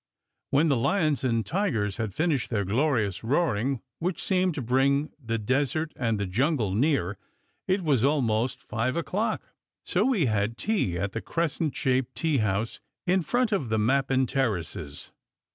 When the lions and tigers had finished their glorious roaring, which seemed to bring the desert and the jungle near, it was almost five o clock, so we had tea at the crescent shaped tea house, in front of the Mappin Terraces.